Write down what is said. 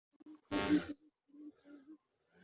যদি সেগুলো অনুসরণ করেন তবে ভেঙ্গে দেওয়া হবে।